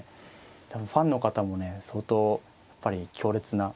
多分ファンの方もね相当やっぱり強烈な。